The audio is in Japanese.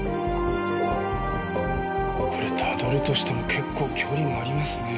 これたどるとしても結構距離がありますね。